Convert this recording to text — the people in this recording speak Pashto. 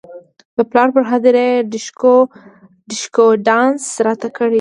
د پلار پر هدیره یې ډیشکو ډانس راته کړی دی.